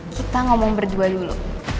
kita ngomong berdua dulu